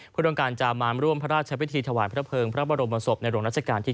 เพื่อต้องการจะมาร่วมพระราชพิธีถวายพระเภิงพระบรมศพในหลวงรัชกาลที่๙